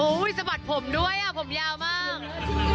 สะบัดผมด้วยอ่ะผมยาวมาก